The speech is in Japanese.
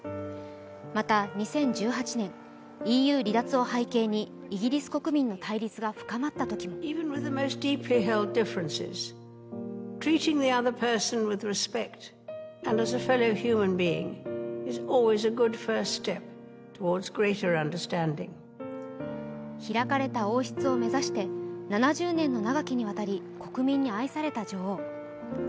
また２０１８年、ＥＵ離脱を背景にイギリス国民の対立が深まったときも開かれた王室を目指して７０年の長きにわたり国民に愛された女王。